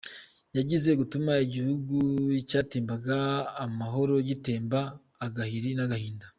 Zigiye gutuma igihugu cyatembaga amahoro gitemba agahiri n’ahaginda.